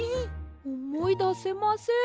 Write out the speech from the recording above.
おもいだせません。